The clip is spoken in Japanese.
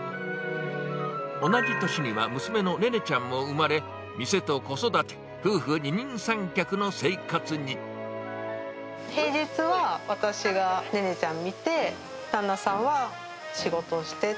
同じ年には娘の寧々ちゃんも生まれ、店と子育て、夫婦二人三脚の平日は私が寧々ちゃん見て、旦那さんは仕事して。